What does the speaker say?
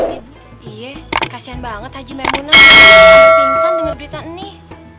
iya kasian banget haji memunah uingun denger berita nih